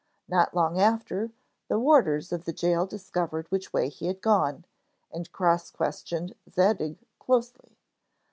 Not long after, the warders, of the gaol discovered which way he had gone, and cross questioned Zadig closely.